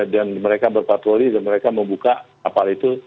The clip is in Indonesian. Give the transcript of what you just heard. dan mereka berpatroli dan mereka membuka kapal itu